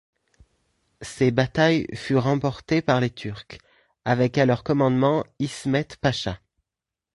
Ces batailles furent remportées par les turcs, avec à leur commandement Ismet Pasha.